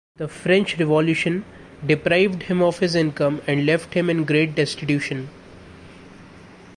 The French Revolution deprived him of his income and left him in great destitution.